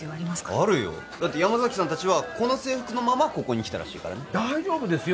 あるよだって山崎さん達はこの制服のままここに来たらしいからね大丈夫ですよ